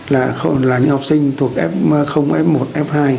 là những học sinh thuộc f f một f hai